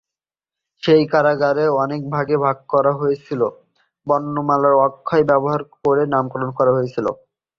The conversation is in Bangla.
সেই কারাগারকে অনেক ভাগে ভাগ করা হয়েছিল, বর্ণমালার অক্ষর ব্যবহার করে নামকরণ করা হয়েছিল।